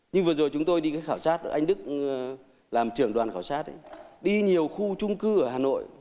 nhưng vừa rồi chúng tôi đi khảo sát anh đức làm trưởng đoàn khảo sát đi nhiều khu trung cư ở hà nội